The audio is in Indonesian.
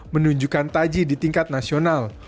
menunjukkan taji di tingkat nasional